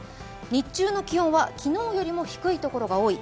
日中の気温は昨日よりも低いところが多い。